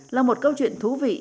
là một câu chuyện thú vị